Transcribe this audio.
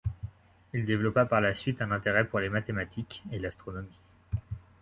Il développa par la suite un intérêt pour les mathématiques et l'astronomie.